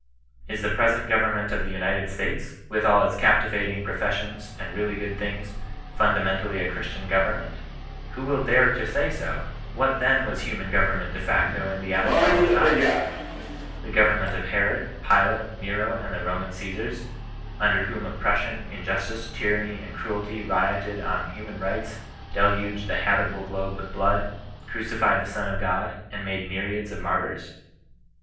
Is the present government of the United States, with all its captivating professions, and really good things, fundamentally a Christian government? Who will dare to say so ? What th^n "nr^ Vwscask. >gi^ 6i CHRISTIAN K0N SB8ISTAN0E. Teniment de facto in the apostolic times ? The govern ment of Herod, Pilate, Nero, and the Roman Osesars, under whom oppression, injustice, tyranny, and cruelty rioted on human rights, deluged the habitable globe with blood, crucified the Son of God, and made myriads of martyrs